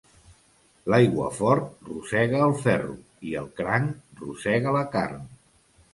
L'aiguafort rosega el ferro i el cranc rosega la carn.